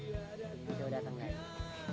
tidak ada yang datang lagi